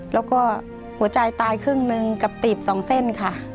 แล้วก็หัวใจตายครึ่งหนึ่งกับตีบ๒เส้นค่ะ